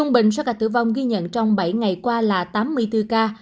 bệnh số ca tử vong ghi nhận trong bảy ngày qua là tám mươi bốn ca